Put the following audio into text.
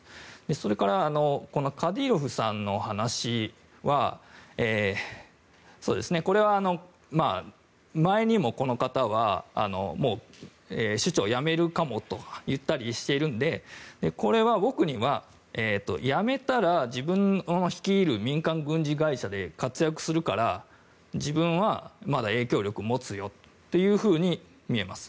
それから、カディロフさんの話は前にもこの方は首長を辞めるかもと言ったりしているのでこれは僕には、辞めたら自分を率いる民間軍事会社で活躍するから自分はまだ影響力を持つよというふうに見えます。